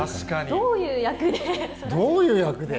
どういう役で？